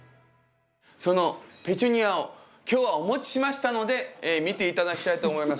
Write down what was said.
そのペチュニアを今日はお持ちしましたので見て頂きたいと思います。